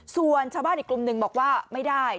ส่วนชาวบ้านอีกกลุ่มหนึ่งบอกว่าไม่ได้